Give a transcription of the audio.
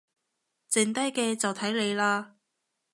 剩低嘅就睇你喇